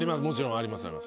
もちろんあります。